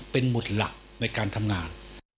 เป็นหมุดหลักในการทำงาน